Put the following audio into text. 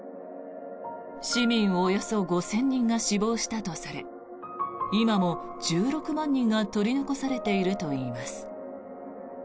市民およそ５０００人が死亡したとされ今も１６万人が取り残されているといいます。